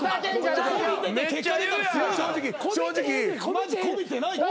マジこびてないって。